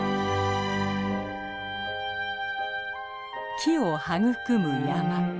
木を育む山。